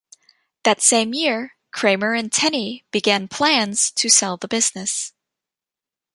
That same year Kramer and Tenney began plans to sell the business.